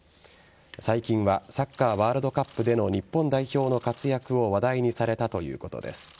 最近はサッカーワールドカップでの日本代表の活躍を話題にされたということです。